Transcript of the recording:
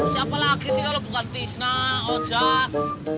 siapa lagi sih kalau bukan tisna oja